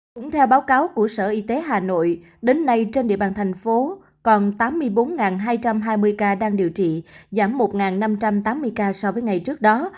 cũng theo báo cáo của sở y tế hà nội đến nay trên địa bàn thành phố còn tám mươi bốn hai trăm hai mươi ca đang điều trị giảm một năm trăm tám mươi ca so với ngày trước đó